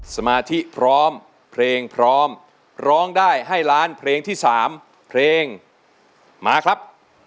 สมาธิพร้อมเพลงพร้อมร้องได้ให้ล้านเพลงที่๓เพลงมาครับ